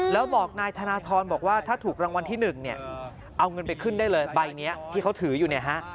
แล้วบอกนายธนทรบอกว่าถ้าถูกรางวัลที่๑เนี่ยเอาเงินไปขึ้นได้เลยใบนี้ที่เขาถืออยู่เนี่ยฮะ